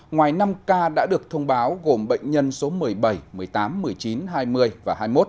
ngoài năm ca đã được thông báo gồm bệnh nhân số một mươi bảy một mươi tám một mươi chín hai mươi và hai mươi một